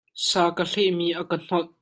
Sa ka hleh mi a ka hnolh.